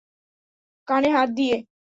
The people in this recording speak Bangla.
কানে হাত দিয়ে?